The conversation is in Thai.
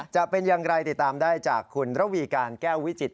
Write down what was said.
จะเป็นอย่างไรติดตามได้จากคุณระวีการแก้ววิจิต